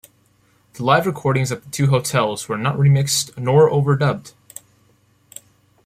The live recordings at the two hotels were not remixed nor overdubbed.